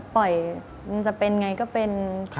ปล่อยมันจะเป็นไงก็เป็น